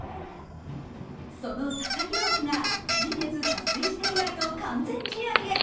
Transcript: その佐々木朗希が、先月達成して以来の完全試合へ。